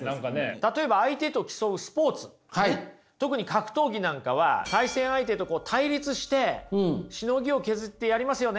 例えば相手と競うスポーツ特に格闘技なんかは対戦相手と対立してしのぎを削ってやりますよね？